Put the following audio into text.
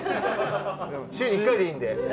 週に１回でいいんで。